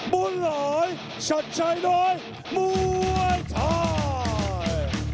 บุญหลายชัดชายน้อยมวยไทย